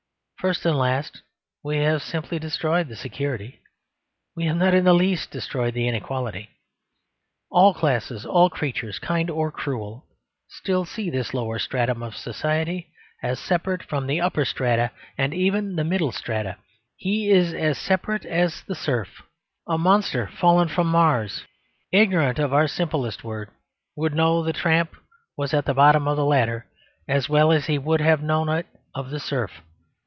First and last, we have simply destroyed the security. We have not in the least destroyed the inequality. All classes, all creatures, kind or cruel, still see this lowest stratum of society as separate from the upper strata and even the middle strata; he is as separate as the serf. A monster fallen from Mars, ignorant of our simplest word, would know the tramp was at the bottom of the ladder, as well as he would have known it of the serf.